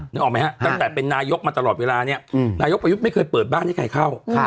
นึกออกไหมฮะตั้งแต่เป็นนายกมาตลอดเวลาเนี่ยนายกประยุทธ์ไม่เคยเปิดบ้านให้ใครเข้า